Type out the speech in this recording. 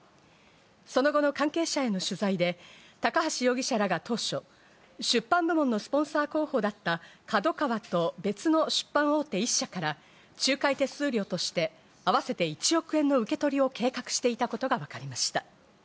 その後の関係者への取材で高橋容疑者らが当初、出版部門のスポンサー候補だったＫＡＤＯＫＡＷＡと、別の出版大手１社から仲介手数料として、合わせて１億円の受け取りを計画していたことがわかりました。